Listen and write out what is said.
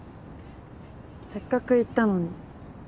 せっかく言ったのに。